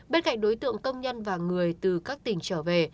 bên cạnh đối tượng công nhân và người từ các tỉnh trở về